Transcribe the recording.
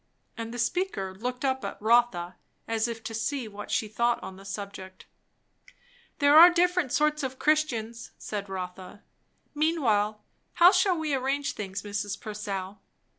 And the speaker looked up at Rotha, as if to see what she thought on the subject. "There are different sorts of Christians," said Rotha. "Meanwhile, how shall we arrange things, Mrs. Purcell?"